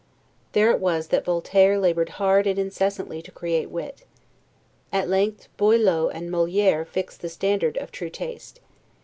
There it was that Voiture labored hard and incessantly to create wit. At length, Boileau and Moliere fixed the standard of true taste.